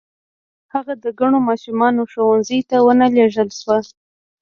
هغه د کڼو ماشومانو ښوونځي ته و نه لېږل شو.